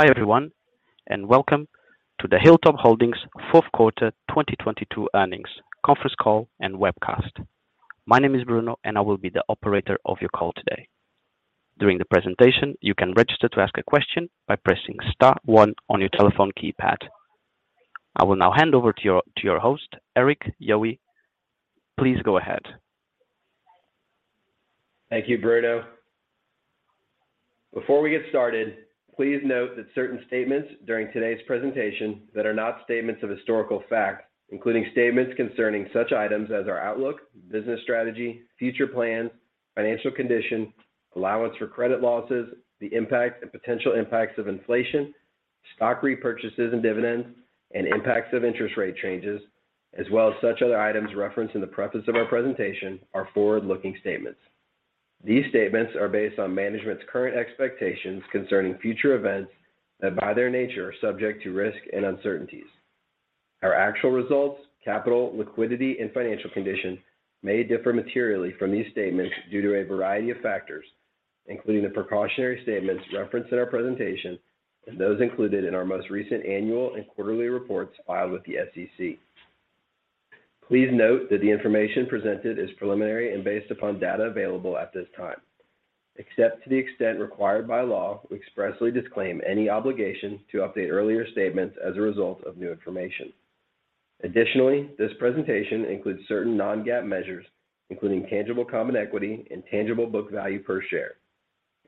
Hi, everyone, welcome to the Hilltop Holdings Fourth Quarter 2022 earnings conference call and webcast. My name is Bruno, I will be the operator of your call today. During the presentation, you can register to ask a question by pressing star one on your telephone keypad. I will now hand over to your host, Erik Yohe. Please go ahead. Thank you, Bruno. Before we get started, please note that certain statements during today's presentation that are not statements of historical fact, including statements concerning such items as our outlook, business strategy, future plans, financial condition, allowance for credit losses, the impact and potential impacts of inflation, stock repurchases and dividends, and impacts of interest rate changes, as well as such other items referenced in the preface of our presentation are forward-looking statements. These statements are based on management's current expectations concerning future events that, by their nature, are subject to risk and uncertainties. Our actual results, capital, liquidity, and financial condition may differ materially from these statements due to a variety of factors, including the precautionary statements referenced in our presentation and those included in our most recent annual and quarterly reports filed with the SEC. Please note that the information presented is preliminary and based upon data available at this time. Except to the extent required by law, we expressly disclaim any obligation to update earlier statements as a result of new information. Additionally, this presentation includes certain non-GAAP measures, including tangible common equity and tangible book value per share.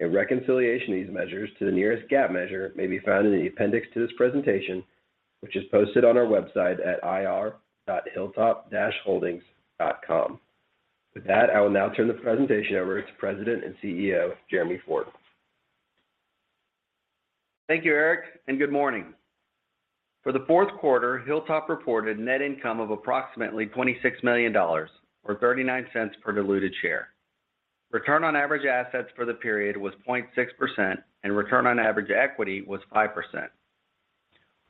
A reconciliation of these measures to the nearest GAAP measure may be found in the appendix to this presentation, which is posted on our website at ir.hilltop-holdings.com. With that, I will now turn the presentation over to President and CEO Jeremy B. Ford. Thank you, Erik, and good morning. For the fourth quarter, Hilltop reported net income of approximately $26 million or $0.39 per diluted share. Return on Average Assets for the period was 0.6% and Return on Average Equity was 5%.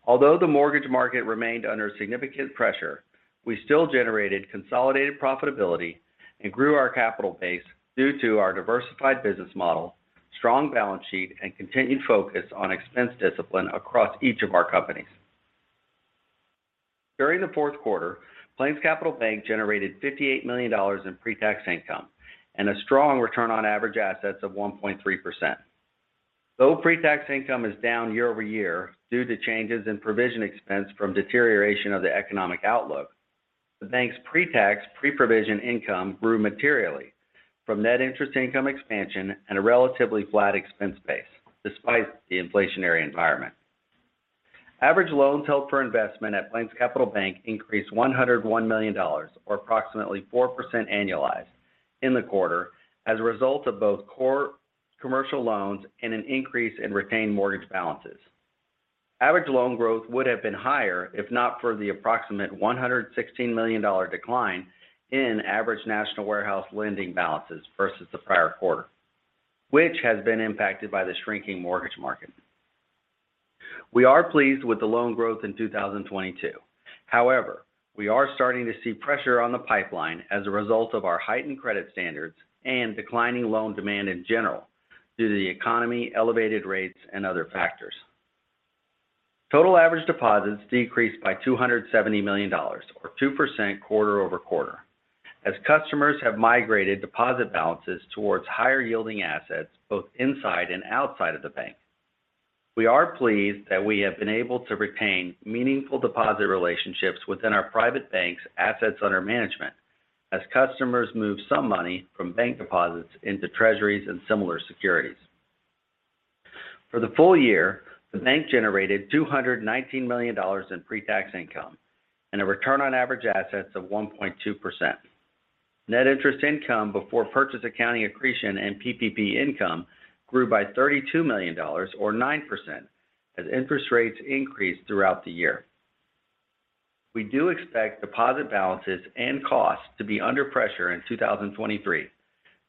Although the mortgage market remained under significant pressure, we still generated consolidated profitability and grew our capital base due to our diversified business model, strong balance sheet, and continued focus on expense discipline across each of our companies. During the fourth quarter, PlainsCapital Bank generated $58 million in pre-tax income and a strong Return on Average Assets of 1.3%. Though pre-tax income is down year-over-year due to changes in provision expense from deterioration of the economic outlook, the bank's pre-tax, pre-provision income grew materially from Net interest income expansion and a relatively flat expense base despite the inflationary environment. Average loans held for investment at PlainsCapital Bank increased $101 million or approximately 4% annualized in the quarter as a result of both core commercial loans and an increase in retained mortgage balances. Average loan growth would have been higher if not for the approximate $116 million decline in average national warehouse lending balances versus the prior quarter, which has been impacted by the shrinking mortgage market. We are pleased with the loan growth in 2022. We are starting to see pressure on the pipeline as a result of our heightened credit standards and declining loan demand in general due to the economy, elevated rates, and other factors. Total average deposits decreased by $270 million or 2% quarter-over-quarter as customers have migrated deposit balances towards higher-yielding assets both inside and outside of the bank. We are pleased that we have been able to retain meaningful deposit relationships within our private bank's assets under management as customers move some money from bank deposits into Treasuries and similar securities. For the full year, the bank generated $219 million in pre-tax income and a Return on Average Assets of 1.2%. Net interest income before purchase accounting accretion and PPP income grew by $32 million or 9% as interest rates increased throughout the year. We do expect deposit balances and costs to be under pressure in 2023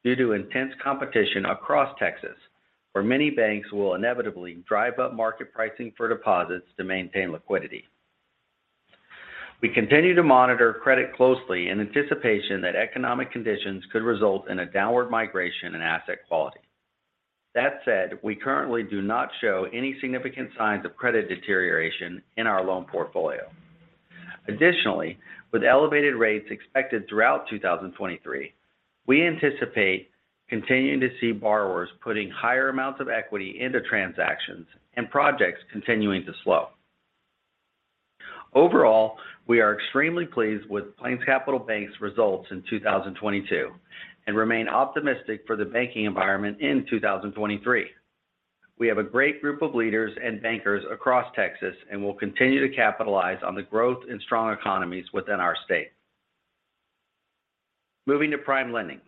due to intense competition across Texas, where many banks will inevitably drive up market pricing for deposits to maintain liquidity. We continue to monitor credit closely in anticipation that economic conditions could result in a downward migration in asset quality. That said, we currently do not show any significant signs of credit deterioration in our loan portfolio. Additionally, with elevated rates expected throughout 2023, we anticipate continuing to see borrowers putting higher amounts of equity into transactions and projects continuing to slow. Overall, we are extremely pleased with PlainsCapital Bank's results in 2022 and remain optimistic for the banking environment in 2023. We have a great group of leaders and bankers across Texas, and we'll continue to capitalize on the growth and strong economies within our state. Moving to PrimeLending.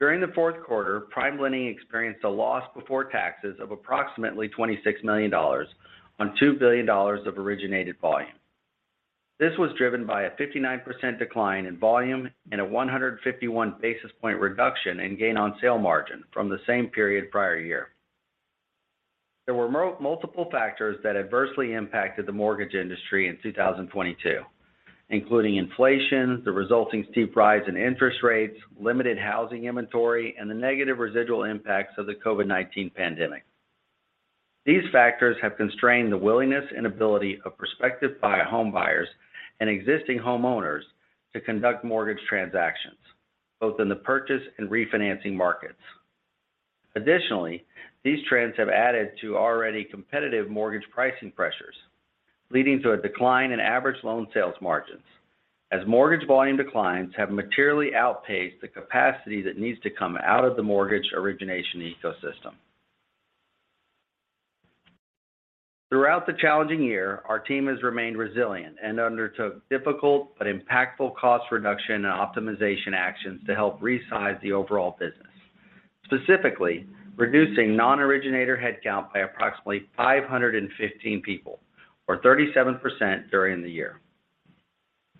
During the fourth quarter, PrimeLending experienced a loss before taxes of approximately $26 million on $2 billion of originated volume. This was driven by a 59% decline in volume and a 151 basis point reduction in gain on sale margin from the same period prior year. There were multiple factors that adversely impacted the mortgage industry in 2022. Including inflation, the resulting steep rise in interest rates, limited housing inventory, and the negative residual impacts of the COVID-19 pandemic. These factors have constrained the willingness and ability of prospective homebuyers and existing homeowners to conduct mortgage transactions, both in the purchase and refinancing markets. Additionally, these trends have added to already competitive mortgage pricing pressures, leading to a decline in average loan sales margins as mortgage volume declines have materially outpaced the capacity that needs to come out of the mortgage origination ecosystem. Throughout the challenging year, our team has remained resilient and undertook difficult but impactful cost reduction and optimization actions to help resize the overall business. Specifically, reducing non-originator headcount by approximately 515 people, or 37% during the year.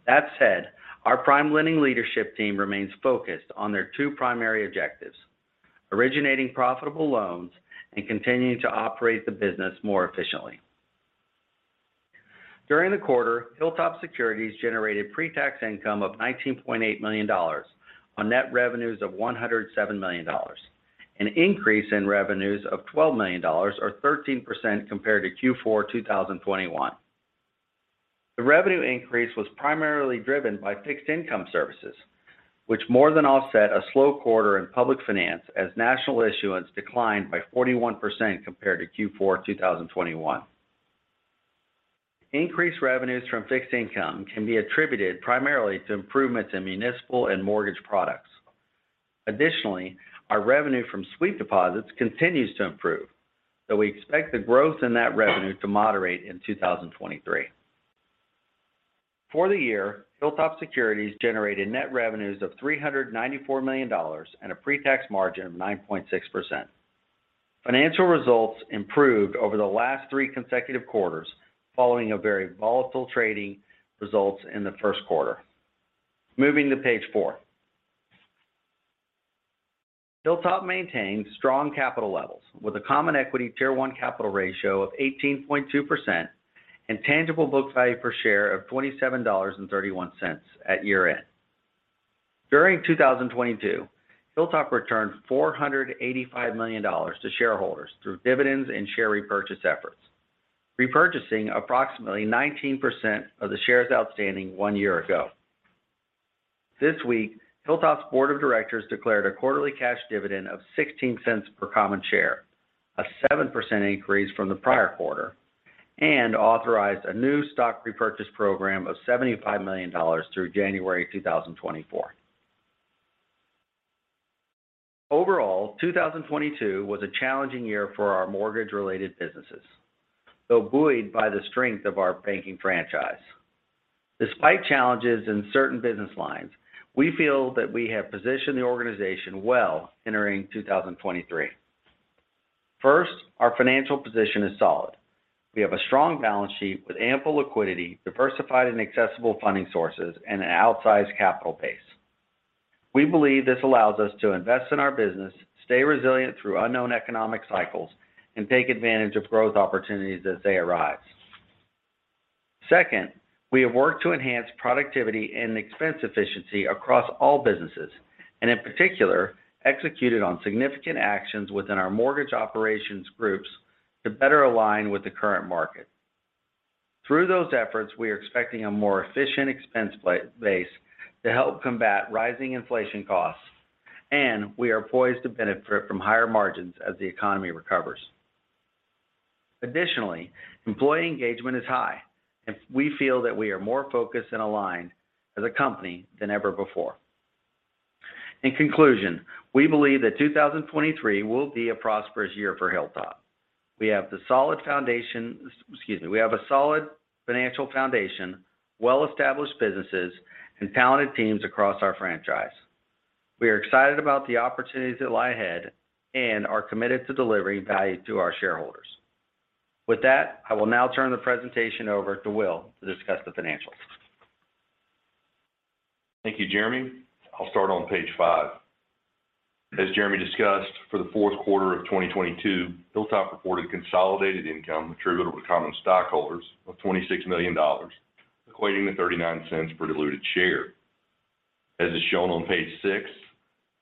That said, our PrimeLending leadership team remains focused on their two primary objectives: originating profitable loans and continuing to operate the business more efficiently. During the quarter, Hilltop Securities generated pre-tax income of $19.8 million on net revenues of $107 million, an increase in revenues of $12 million or 13% compared to Q4 2021. The revenue increase was primarily driven by Fixed income services, which more than offset a slow quarter in public finance as national issuance declined by 41% compared to Q4 2021. Increased revenues from fixed income can be attributed primarily to improvements in municipal and mortgage products. Additionally, our revenue from sweep deposits continues to improve, though we expect the growth in that revenue to moderate in 2023. For the year, Hilltop Securities generated net revenues of $394 million and a pre-tax margin of 9.6%. Financial results improved over the last three consecutive quarters following a very volatile trading results in the first quarter. Moving to page four. Hilltop maintained strong capital levels with a Common Equity Tier 1 capital ratio of 18.2% and Tangible Book Value Per Share of $27.31 at year-end. During 2022, Hilltop returned $485 million to shareholders through dividends and share repurchase efforts, repurchasing approximately 19% of the shares outstanding one year ago. This week, Hilltop's board of directors declared a quarterly cash dividend of $0.16 per common share, a 7% increase from the prior quarter, and authorized a new stock repurchase program of $75 million through January 2024. Overall, 2022 was a challenging year for our mortgage-related businesses, though buoyed by the strength of our banking franchise. Despite challenges in certain business lines, we feel that we have positioned the organization well entering 2023. First, our financial position is solid. We have a strong balance sheet with ample liquidity, diversified and accessible funding sources, and an outsized capital base. We believe this allows us to invest in our business, stay resilient through unknown economic cycles, and take advantage of growth opportunities as they arise. We have worked to enhance productivity and expense efficiency across all businesses, and in particular, executed on significant actions within our mortgage operations groups to better align with the current market. Through those efforts, we are expecting a more efficient expense base to help combat rising inflation costs, and we are poised to benefit from higher margins as the economy recovers. Employee engagement is high, and we feel that we are more focused and aligned as a company than ever before. We believe that 2023 will be a prosperous year for Hilltop. We have a solid financial foundation, well-established businesses, and talented teams across our franchise. We are excited about the opportunities that lie ahead and are committed to delivering value to our shareholders. With that, I will now turn the presentation over to William to discuss the financials. Thank you, Jeremy. I'll start on page five. Jeremy discussed, for the fourth quarter of 2022, Hilltop reported consolidated income attributable to common stockholders of $26 million, equating to $0.39 per diluted share as is shown on page six,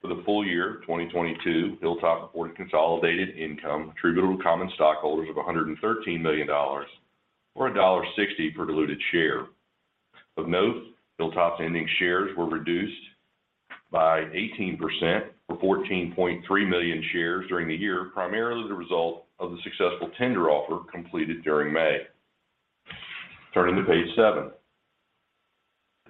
for the full year of 2022, Hilltop reported consolidated income attributable to common stockholders of $113 million or $1.60 per diluted share. Of note, Hilltop's ending shares were reduced by 18% for 14.3 million shares during the year, primarily the result of the successful tender offer completed during May. Turning to page seven.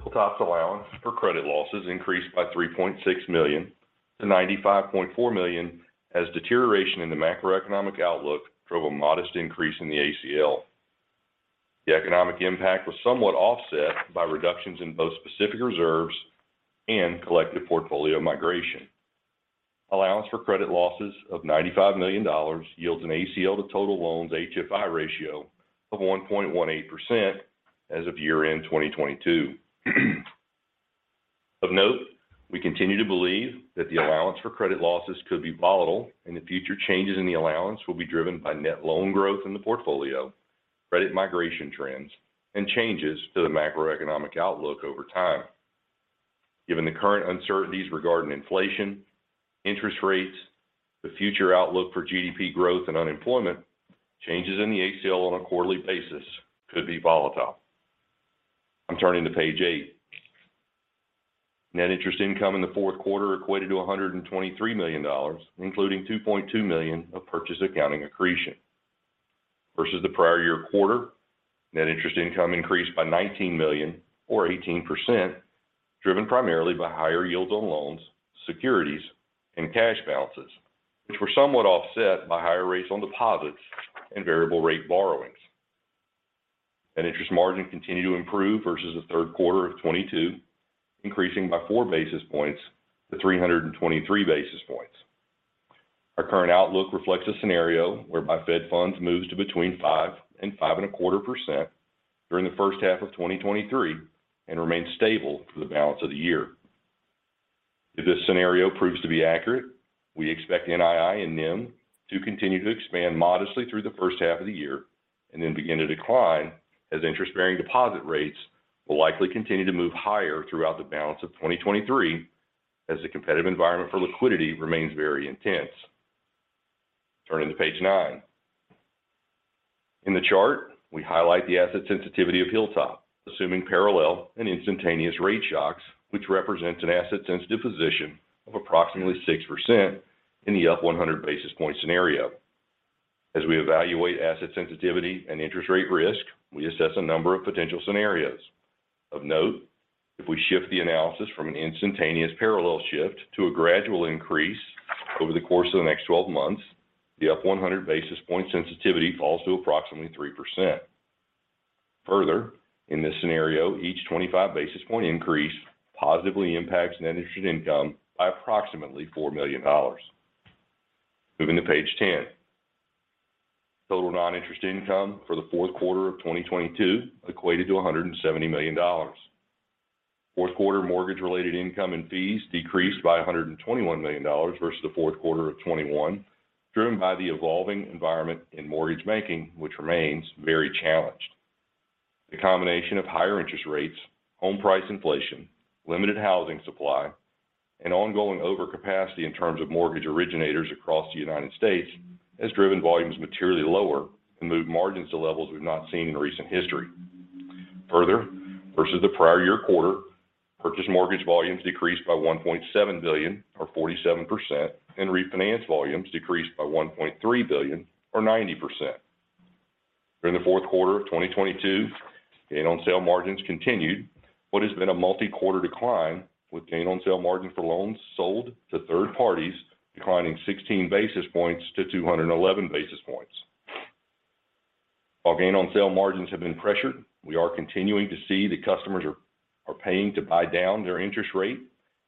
Hilltop's allowance for credit losses increased by $3.6 million - $95.4 million as deterioration in the macroeconomic outlook drove a modest increase in the ACL. The economic impact was somewhat offset by reductions in both specific reserves and collective portfolio migration. Allowance for credit losses of $95 million yields an ACL to total loans HFI ratio of 1.18% as of year-end 2022. Of note, we continue to believe that the allowance for credit losses could be volatile, and the future changes in the allowance will be driven by net loan growth in the portfolio, credit migration trends, and changes to the macroeconomic outlook over time. Given the current uncertainties regarding inflation, interest rates, the future outlook for GDP growth and unemployment, changes in the ACL on a quarterly basis could be volatile. I'm turning to page eight. Net interest income in the fourth quarter equated to $123 million, including $2.2 million of purchase accounting accretion. Versus the prior year quarter, net interest income increased by $19 million or 18%, driven primarily by higher yields on loans, securities, and cash balances, which were somewhat offset by higher rates on deposits and variable rate borrowings. Net interest margin continued to improve versus the third quarter of 2022, increasing by four basis points to 323 basis points. Our current outlook reflects a scenario whereby Fed funds moves to between 5% and 5.25% during the first half of 2023 and remains stable for the balance of the year. If this scenario proves to be accurate, we expect NII and NIM to continue to expand modestly through the first half of the year and then begin to decline as interest-bearing deposit rates will likely continue to move higher throughout the balance of 2023 as the competitive environment for liquidity remains very intense. Turning to page nine. In the chart, we highlight the asset sensitivity of Hilltop, assuming parallel and instantaneous rate shocks, which represents an asset-sensitive position of approximately 6% in the up 100 basis point scenario. As we evaluate asset sensitivity and interest rate risk, we assess a number of potential scenarios. Of note, if we shift the analysis from an instantaneous parallel shift to a gradual increase over the course of the next 12 months, the up 100 basis point sensitivity falls to approximately 3%. Further, in this scenario, each 25 basis point increase positively impacts net interest income by approximately $4 million. Moving to page 10. Total non-interest income for the fourth quarter of 2022 equated to $170 million. Fourth quarter mortgage-related income and fees decreased by $121 million versus the fourth quarter of 2021, driven by the evolving environment in mortgage banking, which remains very challenged. The combination of higher interest rates, home price inflation, limited housing supply, and ongoing overcapacity in terms of mortgage originators across the United States has driven volumes materially lower and moved margins to levels we've not seen in recent history. Further, versus the prior year quarter, purchase mortgage volumes decreased by $1.7 billion or 47%, and refinance volumes decreased by $1.3 billion or 90%. During the fourth quarter of 2022, gain on sale margins continued what has been a multi-quarter decline with gain on sale margin for loans sold to third parties declining 16 basis points to 211 basis points. While gain on sale margins have been pressured, we are continuing to see that customers are paying to buy down their interest rate,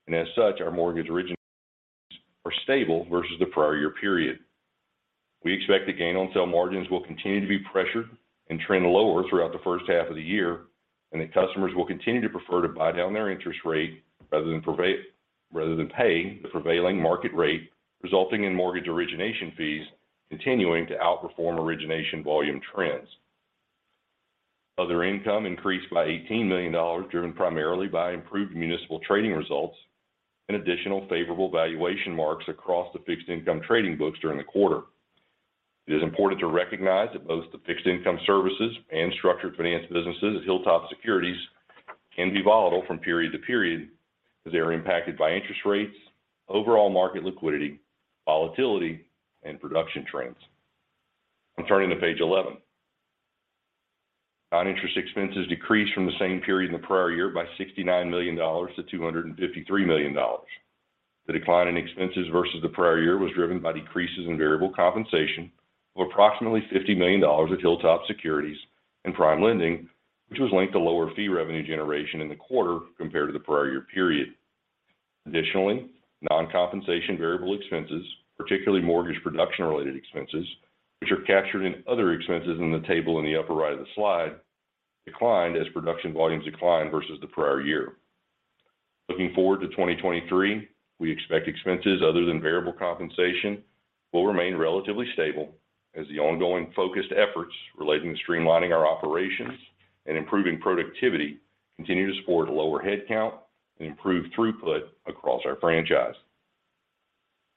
and as such, our mortgage originations are stable versus the prior year period. We expect the gain on sale margins will continue to be pressured and trend lower throughout the first half of the year, and that customers will continue to prefer to buy down their interest rate rather than pay the prevailing market rate, resulting in mortgage origination fees continuing to outperform origination volume trends. Other income increased by $18 million, driven primarily by improved municipal trading results and additional favorable valuation marks across the fixed income trading books during the quarter. It is important to recognize that both the fixed income services and structured finance businesses at Hilltop Securities can be volatile from period to period as they are impacted by interest rates, overall market liquidity, volatility, and production trends. I'm turning to page 11. Non-interest expenses decreased from the same period in the prior year by $69 million- $253 million. The decline in expenses versus the prior year was driven by decreases in variable compensation of approximately $50 million at Hilltop Securities and PrimeLending, which was linked to lower fee revenue generation in the quarter compared to the prior year period. Additionally, non-compensation variable expenses, particularly mortgage production-related expenses, which are captured in other expenses in the table in the upper right of the slide, declined as production volumes declined versus the prior year. Looking forward to 2023, we expect expenses other than variable compensation will remain relatively stable as the ongoing focused efforts relating to streamlining our operations and improving productivity continue to support a lower headcount and improve throughput across our franchise.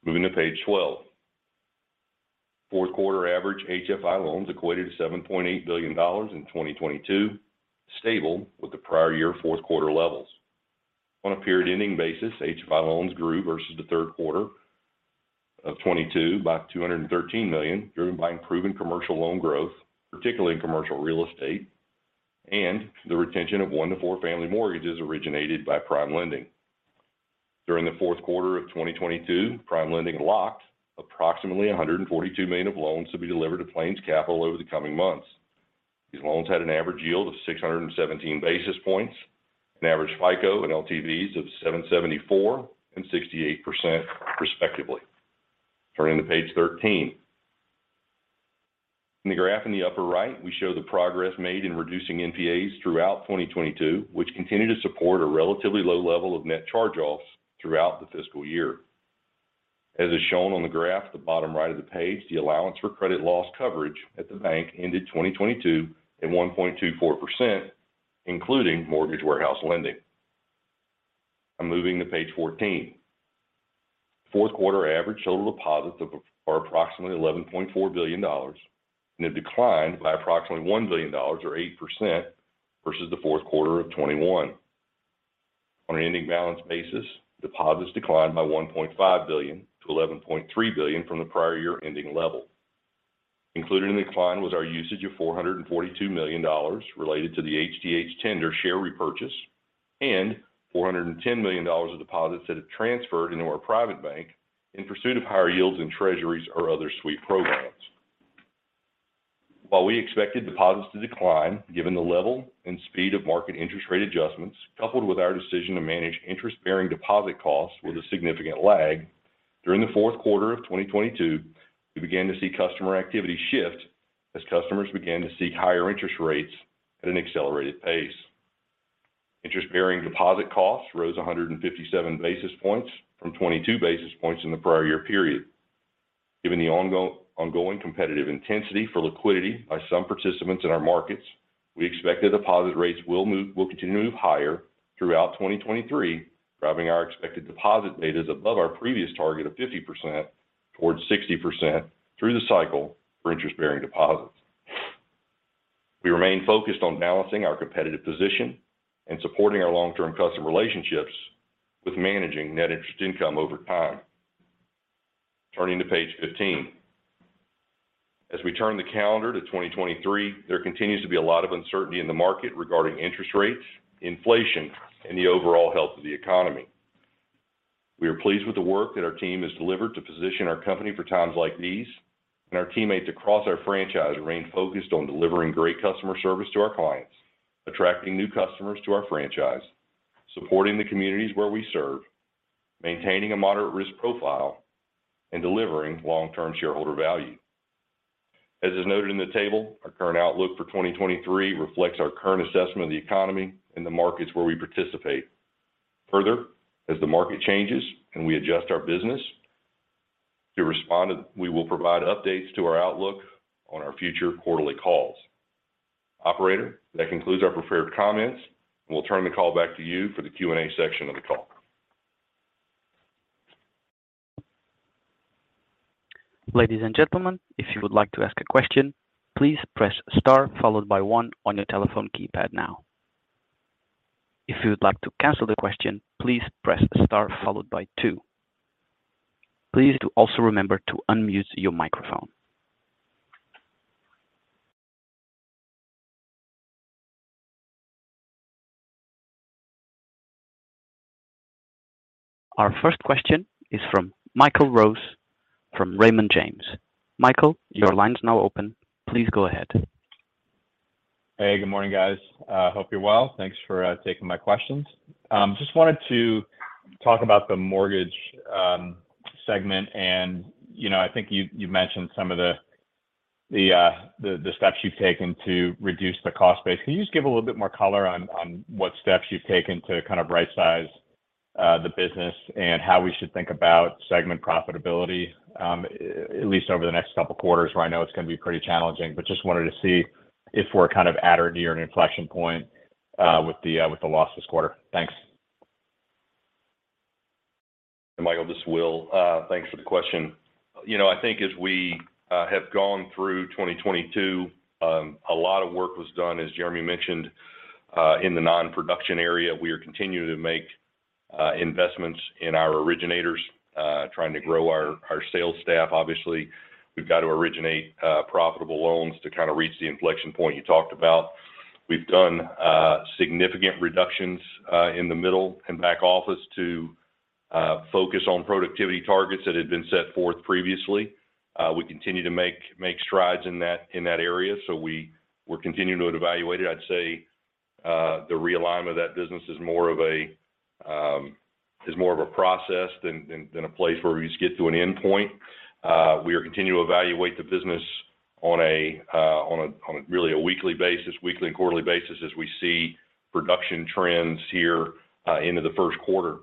Moving to page 12. Fourth quarter average HFI loans equated to $7.8 billion in 2022, stable with the prior year fourth quarter levels. On a period-ending basis, HFI loans grew versus the third quarter of 2022 by $213 million, driven by improving commercial loan growth, particularly in commercial real estate, and the retention of one to four family mortgages originated by PrimeLending. During the fourth quarter of 2022, PrimeLending locked approximately $142 million of loans to be delivered to PlainsCapital over the coming months. These loans had an average yield of 617 basis points, an average FICO and LTVs of 77% and 68% respectively. Turning to page 13. In the graph in the upper right, we show the progress made in reducing NPAs throughout 2022, which continued to support a relatively low level of net charge-offs throughout the fiscal year. As is shown on the graph at the bottom right of the page, the allowance for credit loss coverage at the bank ended 2022 at 1.24%, including mortgage warehouse lending. I'm moving to page 14. Fourth quarter average total deposits of are approximately $11.4 billion. It declined by approximately $1 billion or 8% versus the fourth quarter of 2021. On an ending balance basis, deposits declined by $1.5 billion - $11.3 billion from the prior year ending level. Included in the decline was our usage of $442 million related to the HTH tender share repurchase and $410 million of deposits that have transferred into our private bank in pursuit of higher yields in treasuries or other sweep programs. While we expected deposits to decline, given the level and speed of market interest rate adjustments, coupled with our decision to manage interest-bearing deposit costs with a significant lag during the fourth quarter of 2022, we began to see customer activity shift as customers began to seek higher interest rates at an accelerated pace. Interest-bearing deposit costs rose 157 basis points from 22 basis points in the prior year period. Given the ongoing competitive intensity for liquidity by some participants in our markets, we expect the deposit rates will continue to move higher throughout 2023, driving our expected Deposit betas above our previous target of 50% towards 60% through the cycle for interest-bearing deposits. We remain focused on balancing our competitive position and supporting our long-term customer relationships with managing net interest income over time. Turning to page 15. As we turn the calendar to 2023, there continues to be a lot of uncertainty in the market regarding interest rates, inflation, and the overall health of the economy. We are pleased with the work that our team has delivered to position our company for times like these, and our teammates across our franchise remain focused on delivering great customer service to our clients, attracting new customers to our franchise, supporting the communities where we serve, maintaining a moderate risk profile, and delivering long-term shareholder value. As is noted in the table, our current outlook for 2023 reflects our current assessment of the economy and the markets where we participate. Further, as the market changes and we adjust our business, we will provide updates to our outlook on our future quarterly calls. Operator, that concludes our prepared comments. We'll turn the call back to you for the Q&A section of the call. Ladies and gentlemen, if you would like to ask a question, please press star followed by one on your telephone keypad now. If you would like to cancel the question, please press star followed by two. Please do also remember to unmute your microphone. Our first question is from Michael Rose, from Raymond James. Michael, your line's now open. Please go ahead. Hey, good morning, guys. hope you're well. Thanks for taking my questions. just wanted to talk about the mortgage segment and, you know, I think you've mentioned some of the steps you've taken to reduce the cost base. Can you just give a little bit more color on what steps you've taken to kind of right-size the business and how we should think about segment profitability, at least over the next couple of quarters where I know it's going to be pretty challenging? just wanted to see if we're kind of at or near an inflection point with the loss this quarter. Thanks. Michael, this is William. Thanks for the question. You know, I think as we have gone through 2022, a lot of work was done, as Jeremy mentioned, in the non-production area. We are continuing to make investments in our originators, trying to grow our sales staff. Obviously, we've got to originate profitable loans to kind of reach the inflection point you talked about. We've done significant reductions in the middle and back office to focus on productivity targets that had been set forth previously. We continue to make strides in that area. We're continuing to evaluate it. I'd say, the realignment of that business is more of a process than a place where we just get to an endpoint. We are continuing to evaluate the business on a, on a, on a really a weekly basis, weekly and quarterly basis as we see production trends here, into the first quarter.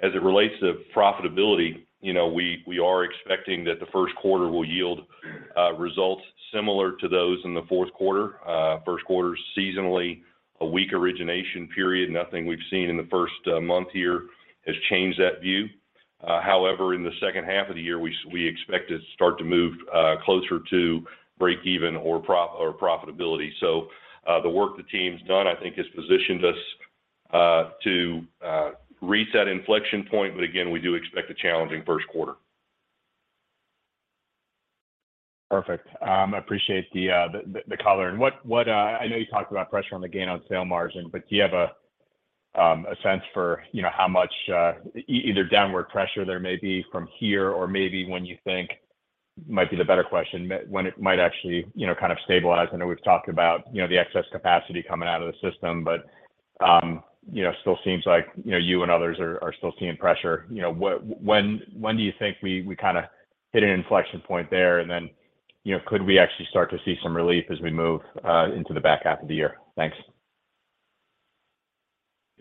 As it relates to profitability, you know, we are expecting that the first quarter will yield results similar to those in the fourth quarter. First quarter's seasonally a weak origination period. Nothing we've seen in the first month here has changed that view. However, in the second half of the year, we expect to start to move closer to break even or profitability. The work the team's done, I think, has positioned us to reach that inflection point. But again, we do expect a challenging first quarter. Perfect. Appreciate the color. What, I know you talked about pressure on the gain on sale margin, but do you have a sense for, you know, how much either downward pressure there may be from here, or maybe when you think might be the better question, when it might actually, you know, kind of stabilize? I know we've talked about, you know, the excess capacity coming out of the system, but, you know, still seems like, you know, you and others are still seeing pressure. You know, what, when do you think we kind of hit an inflection point there? Then, you know, could we actually start to see some relief as we move into the back half of the year? Thanks.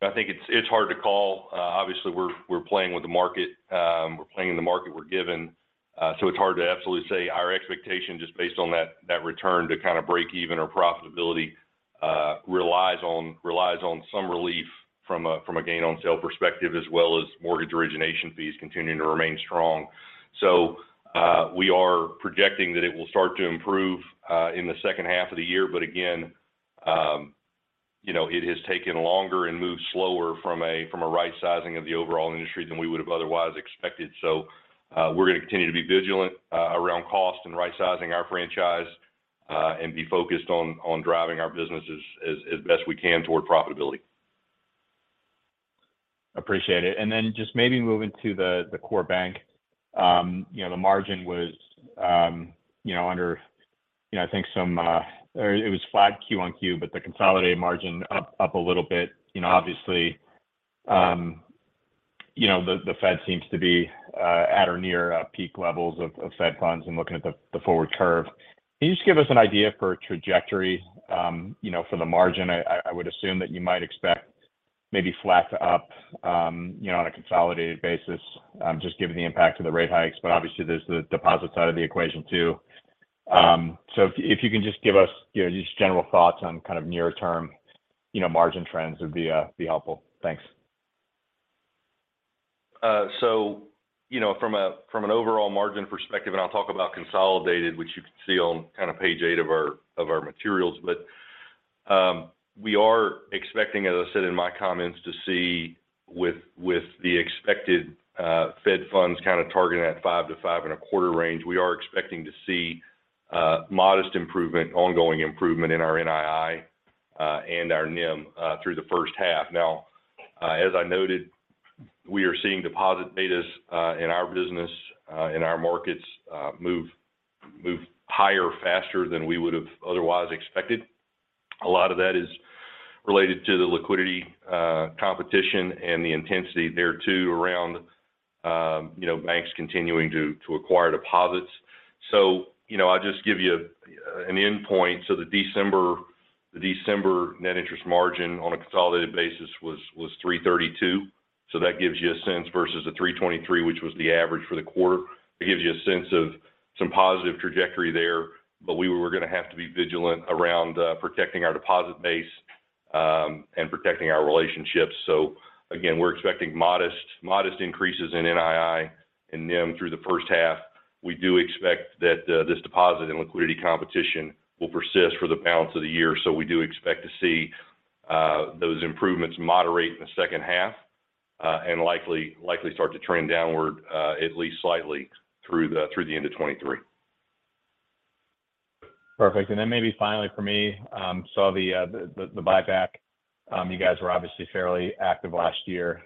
I think it's hard to call. Obviously we're playing with the market. We're playing in the market we're given, so it's hard to absolutely say. Our expectation just based on that return to kind of break even or profitability, relies on some relief from a gain on sale perspective, as well as mortgage origination fees continuing to remain strong. We are projecting that it will start to improve in the second half of the year. Again, you know, it has taken longer and moved slower from a right sizing of the overall industry than we would've otherwise expected. We're gonna continue to be vigilant around cost and right sizing our franchise and be focused on driving our businesses as best we can toward profitability. Appreciate it. Just maybe moving to the core bank. You know, the margin was, you know, under, you know, I think some. Or it was flat Q on Q, but the consolidated margin up a little bit. You know, obviously, you know, the Fed seems to be at or near peak levels of Federal funds and looking at the forward curve. Can you just give us an idea for trajectory, you know, for the margin? I would assume that you might expect maybe flat to up, you know, on a consolidated basis, just given the impact of the rate hikes. Obviously there's the deposit side of the equation too. If you can just give us, you know, just general thoughts on kind of near term, you know, margin trends would be helpful. Thanks. You know, from an overall margin perspective, and I'll talk about consolidated, which you can see on kind of page eight of our materials. We are expecting, as I said in my comments, to see the expected Federal funds kind of targeting that 5% - 5.25% range. We are expecting to see modest improvement, ongoing improvement in our NII and our NIM through the first half. As I noted, we are seeing deposit betas in our business, in our markets, move higher faster than we would've otherwise expected. A lot of that is related to the liquidity competition and the intensity thereto around, you know, banks continuing to acquire deposits. You know, I'll just give you an end point. The December net interest margin on a consolidated basis was 3.32%. That gives you a sense versus the 3.23%, which was the average for the quarter. It gives you a sense of some positive trajectory there. We were gonna have to be vigilant around protecting our deposit base and protecting our relationships. Again, we're expecting modest increases in NII and NIM through the first half. We do expect that this deposit and liquidity competition will persist for the balance of the year. We do expect to see those improvements moderate in the second half and likely start to trend downward, at least slightly through the end of 2023. Perfect. Then maybe finally for me, saw the buyback. You guys were obviously fairly active last year.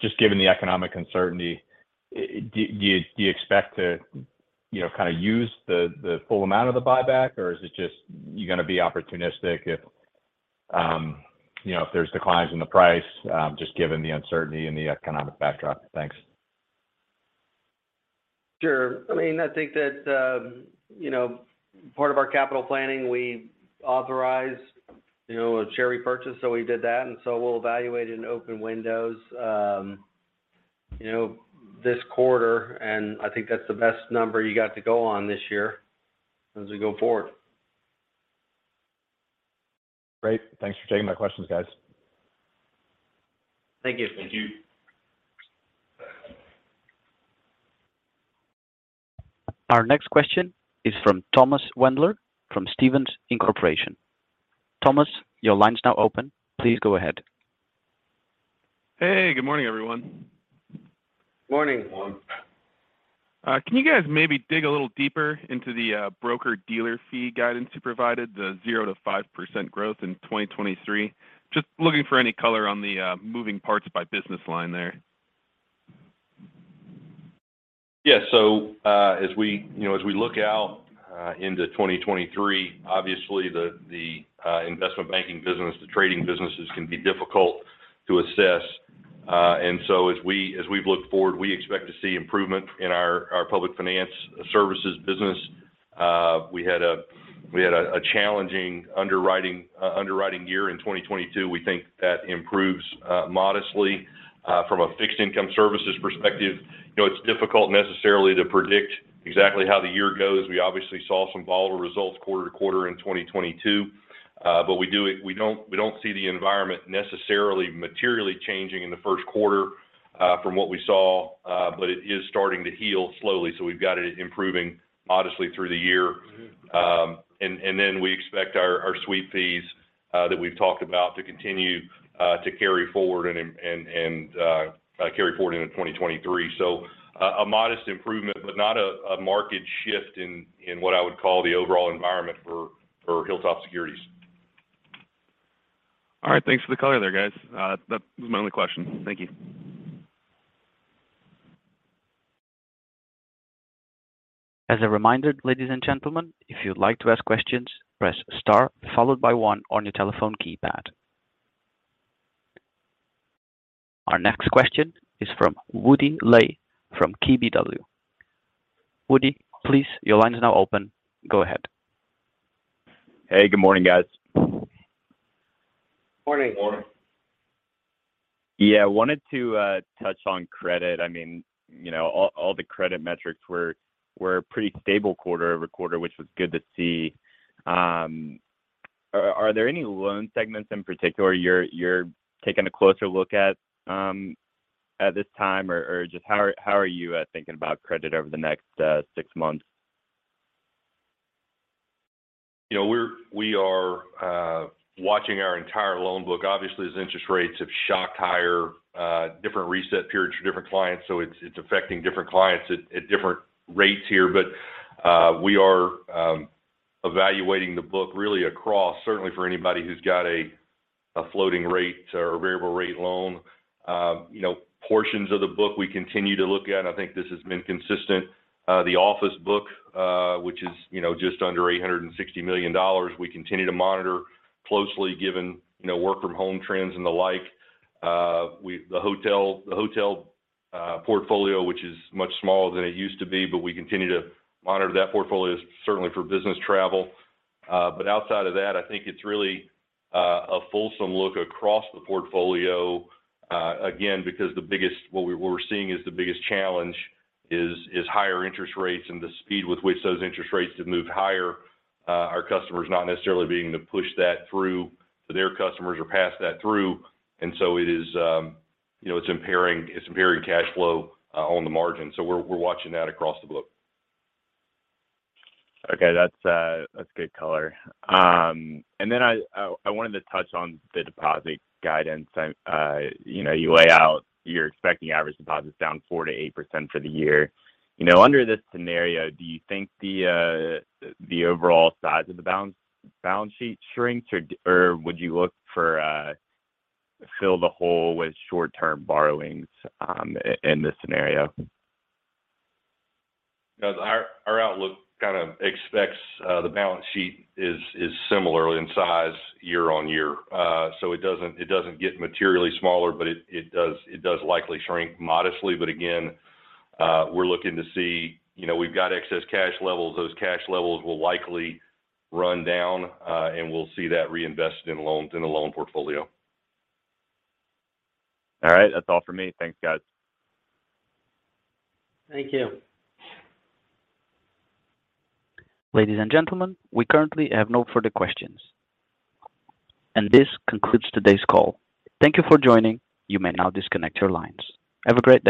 Just given the economic uncertainty, do you expect to, you know, kind of use the full amount of the buyback? Or is it just you're gonna be opportunistic if, you know, if there's declines in the price, just given the uncertainty in the economic backdrop? Thanks. Sure. I mean, I think that, you know, part of our capital planning, we authorized, you know, a share repurchase, so we did that. We'll evaluate in open windows, you know, this quarter, and I think that's the best number you got to go on this year as we go forward. Great. Thanks for taking my questions, guys. Thank you. Thank you. Our next question is from Thomas Wendler from Stephens Inc.. Thomas, your line's now open. Please go ahead. Hey, good morning, everyone. Morning, Thomas. Can you guys maybe dig a little deeper into the broker-dealer fee guidance you provided, the 0% - 5% growth in 2023? Just looking for any color on the moving parts by business line there. Yeah. As we, you know, as we look out into 2023, obviously the investment banking business, the trading businesses can be difficult to assess. As we've looked forward, we expect to see improvement in our Public finance services business. We had a challenging underwriting year in 2022. We think that improves modestly. From a Fixed income services perspective, you know, it's difficult necessarily to predict exactly how the year goes. We obviously saw some volatile results quarter to quarter in 2022. We don't see the environment necessarily materially changing in the first quarter from what we saw. It is starting to heal slowly, so we've got it improving modestly through the year. We expect our sweep fees that we've talked about to continue to carry forward and carry forward into 2023. A modest improvement, but not a market shift in what I would call the overall environment for Hilltop Securities. All right. Thanks for the color there, guys. That was my only question. Thank you. As a reminder, ladies and gentlemen, if you'd like to ask questions, press Star followed by one on your telephone keypad. Our next question is from Woodrow Lay from KBW. Woody, please, your line is now open. Go ahead. Hey, good morning, guys. Morning. Morning. Yeah. Wanted to touch on credit. I mean, you know, all the credit metrics were pretty stable quarter-over-quarter, which was good to see. Are there any loan segments in particular you're taking a closer look at at this time or just how are you thinking about credit over the next six months? You know, we are watching our entire loan book. Obviously, as interest rates have shocked higher, different reset periods for different clients, so it's affecting different clients at different rates here. We are evaluating the book really across certainly for anybody who's got a floating rate or a variable rate loan. You know, portions of the book we continue to look at, I think this has been consistent. The office book, which is, you know, just under $860 million, we continue to monitor closely given, you know, work from home trends and the like. The hotel portfolio, which is much smaller than it used to be, but we continue to monitor that portfolio certainly for business travel. Outside of that, I think it's really a fulsome look across the portfolio, again, because what we're seeing is the biggest challenge is higher interest rates and the speed with which those interest rates have moved higher, our customers not necessarily being able to push that through to their customers or pass that through. It is, you know, it's impairing cash flow on the margin. We're watching that across the book. Okay. That's good color. I wanted to touch on the deposit guidance. You know, you lay out you're expecting average deposits down 4%-8% for the year. You know, under this scenario, do you think the overall size of the balance sheet shrinks or would you look for fill the hole with short-term borrowings in this scenario? Our outlook kind of expects, the balance sheet is similar in size year on year. It doesn't get materially smaller, but it does likely shrink modestly. Again, we're looking to see, you know, we've got excess cash levels. Those cash levels will likely run down, and we'll see that reinvested in loans in the loan portfolio. All right. That's all for me. Thanks, guys. Thank you. Ladies and gentlemen, we currently have no further questions. This concludes today's call. Thank you for joining. You may now disconnect your lines. Have a great day.